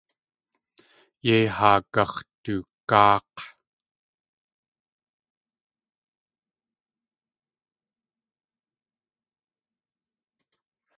Yei haa gax̲dugáak̲.